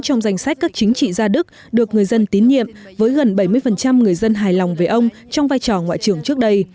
trong danh sách các chính trị gia đức được người dân tín nhiệm với gần bảy mươi người dân hài lòng về ông trong vai trò ngoại trưởng trước đây